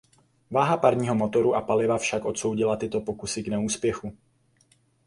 Váha parního motoru a paliva však odsoudila tyto pokusy k neúspěchu.